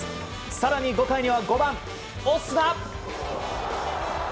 更に５回には５番、オスナ。